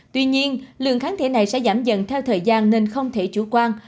tuy nhiên lượng kháng thể này sẽ giảm dần theo thời gian nên không thể chủ quan